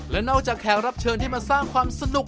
และนอกจากแขกรับเชิญที่มาสร้างความสนุก